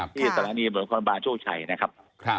ที่ตรณีบริษัทบาลโชคชัยนะครับ